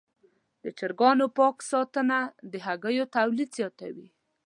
د چرګانو پاک ساتنه د هګیو تولید زیاتوي.